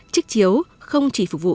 chiếc chiếu không chỉ phục vụ